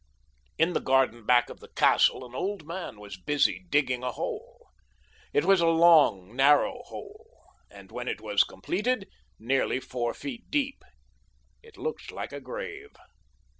In the garden back of the castle an old man was busy digging a hole. It was a long, narrow hole, and, when it was completed, nearly four feet deep. It looked like a grave.